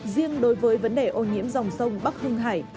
riêng đối với vấn đề ô nhiễm dòng sông bắc hưng hải